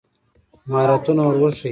مهارتونه ور وښایي.